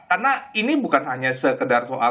karena ini bukan hanya sekedar soal